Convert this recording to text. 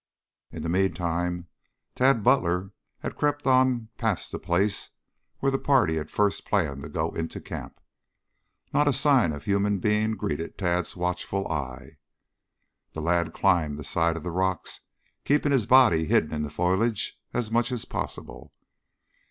In the meantime Tad Butler had crept on past the place where the party had first planned to go into camp. Not a sign of a human being greeted Tad's watchful eyes. The lad climbed the side of the rocks, keeping his body hidden in the foliage as much as possible.